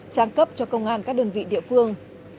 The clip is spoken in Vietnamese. trang cấp cho công an các đơn vị địa phương